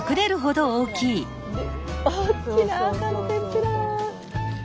大きなアーサの天ぷら！